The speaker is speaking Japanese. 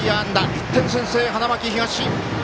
１点先制、花巻東。